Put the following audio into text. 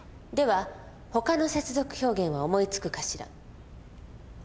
ほかの接続表現は思いつくかしら。